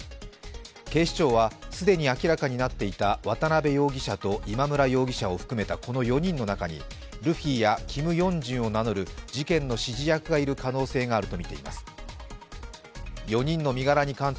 警視庁は、既に明らかになっていた渡辺容疑者と今村容疑者を含めたこの４人の中にルフィやキム・ヨンジュンを名乗る事件の指示役がいる可能性があるとみています。